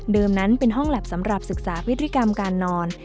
นั้นเป็นห้องแล็บสำหรับศึกษาพฤติกรรมการนอน